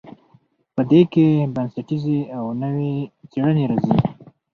په دې کې بنسټیزې او نوې څیړنې راځي.